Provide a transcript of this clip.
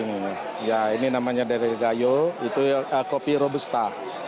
ini daerah gayu ini namanya dari gayu itu kopi robusta